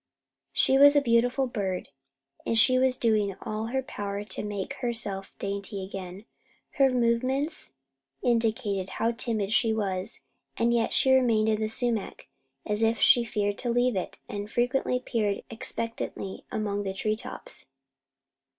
She was a beautiful bird, and she was doing all in her power to make herself dainty again. Her movements clearly indicated how timid she was, and yet she remained in the sumac as if she feared to leave it; and frequently peered expectantly among the tree tops.